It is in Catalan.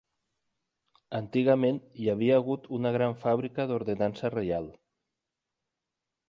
Antigament hi havia hagut una gran Fàbrica d'Ordenança Reial.